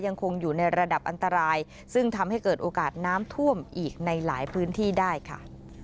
ยังคงอยู่ในระดับอันตรายซึ่งทำให้เกิดโอกาสน้ำท่วมอีกในหลายพื้นที่ได้ค่ะ